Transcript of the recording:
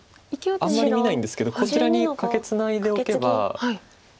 あんまり見ないんですけどこちらにカケツナいでおけば。